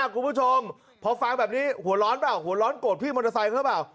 คุณผู้ชมพอฟังแบบนี้หัวร้อนเปล่าหัวร้อนโกรธพี่มอเตอร์ไซค์หรือเปล่า